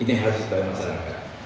ini harus kita masyarakat